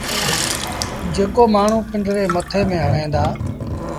جيڪو مآڻهوٚٚݩ پنڊري مٿي ميݩ هڻين دآ